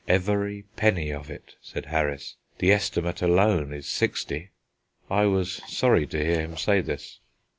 "Every penny of it," said Harris; "the estimate alone is sixty." I was sorry to hear him say this.